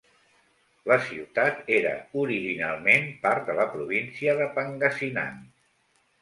La ciutat era originalment part de la província de Pangasinan.